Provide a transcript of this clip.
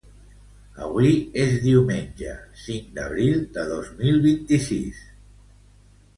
Avui és diumenge cinc d'abril de dos mil vint-i-sis